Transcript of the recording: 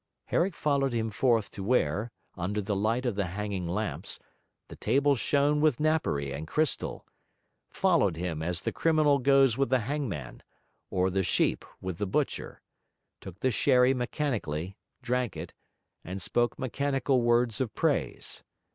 Herrick followed him forth to where, under the light of the hanging lamps, the table shone with napery and crystal; followed him as the criminal goes with the hangman, or the sheep with the butcher; took the sherry mechanically, drank it, and spoke mechanical words of praise.